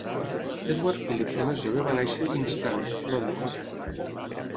Edward Phillips el més jove va néixer in Strand, Londres.